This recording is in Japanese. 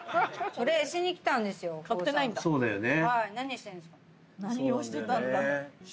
そうなんだよね。